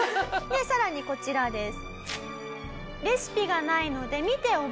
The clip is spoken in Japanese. さらにこちらです。